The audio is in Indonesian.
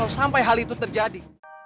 sampai hal itu terjadi